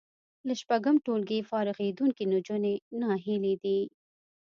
له شپږم ټولګي فارغېدونکې نجونې ناهیلې دي